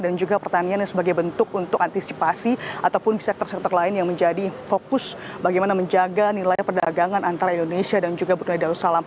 dan juga pertanian sebagai bentuk untuk antisipasi ataupun sektor sektor lain yang menjadi fokus bagaimana menjaga nilai perdagangan antara indonesia dan juga brunei dan rusala